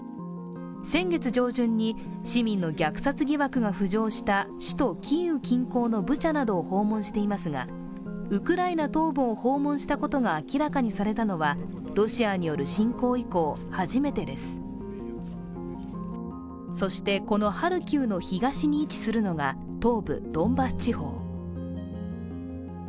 先月上旬に市民の虐殺疑惑が浮上した首都キーウ近郊のブチャなどを訪問していますが、ウクライナ東部を訪問したことが明らかにされたのはロシアによる侵攻以降、初めてですそして、このハルキウの東に位置するのが東部ドンバス地方。